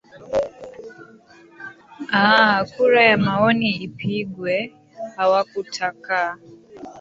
aah kura ya maoni ipigwe hawakutakaa